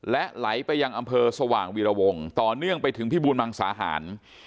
และไหลไปยังอำเภอสว่างวีรวงต่อเนื่องไปถึงพิบูรมังสาหาร